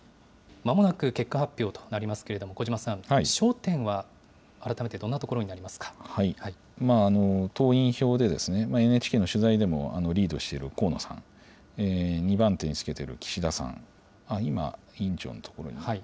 まもなく結果発表となりますけれども、小嶋さん、焦点は、改めて党員票で、ＮＨＫの取材でもリードしている河野さん、２番手につけてる岸田さん、今、委員長のところに。